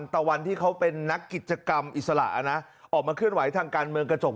ตะวันที่เขาเป็นนักกิจกรรมอิสระนะออกมาเคลื่อนไหวทางการเมืองกระจก